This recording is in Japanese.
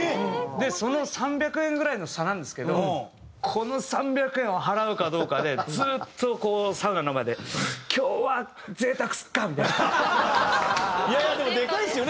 その３００円ぐらいの差なんですけどこの３００円を払うかどうかでずっとこうサウナの中で「今日は贅沢するか」みたいな。いやいやでもでかいですよね